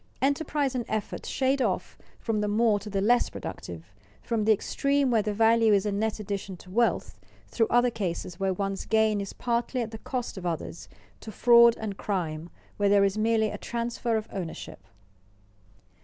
Enterprise and effort shade off from the more to the less productive, from the extreme where the value is a net addition to wealth, through other cases where one's gain is partly at the cost of others, to fraud and crime where there is merely a transfer of ownership.